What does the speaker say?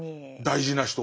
大事な人。